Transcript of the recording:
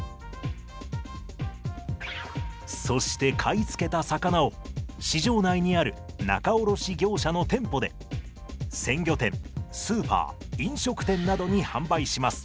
そして買い付けた魚を市場内にある仲卸業者の店舗で鮮魚店スーパー飲食店などに販売します。